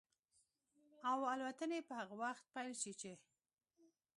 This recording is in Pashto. او الوتنې به هغه وخت پيل شي چې